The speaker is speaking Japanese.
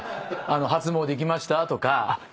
初詣行きましたとか。